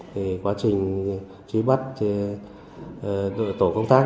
thì quá trình trí bắt tổ công tác